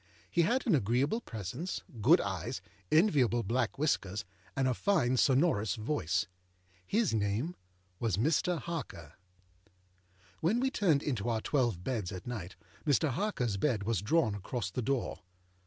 He had an agreeable presence, good eyes, enviable black whiskers, and a fine sonorous voice. His name was Mr. Harker. When we turned into our twelve beds at night, Mr. Harkerâs bed was drawn across the door.